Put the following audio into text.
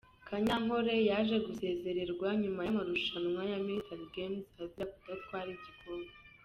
Kanyankore yaje gusezererwa nyuma y'amarushanwa ya Military Games azira kudatwara igikombe.